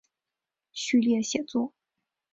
序列写作。